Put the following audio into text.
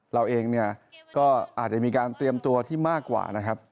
เราเองเนี่ยก็อาจจะมีการเตรียมตัวที่มากกว่านะครับ